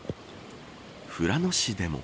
富良野市でも。